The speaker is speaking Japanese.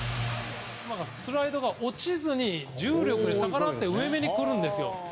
スライダーが落ちずに重力に逆らって上めにくるんですよ。